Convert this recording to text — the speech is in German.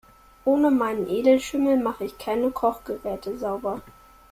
Ohne meinen Edelschimmel mach ich keine Kochgeräte sauber.